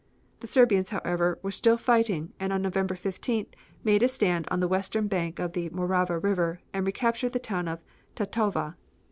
The Serbians, however, were still fighting and on November 15th, made a stand on the western bank of the Morava River, and recaptured the town of Tatova.